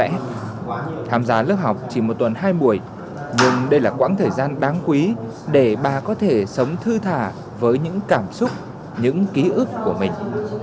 em tham gia lớp học chỉ một tuần hai buổi nhưng đây là quãng thời gian đáng quý để bà có thể sống thư thả với những cảm xúc những ký ức của mình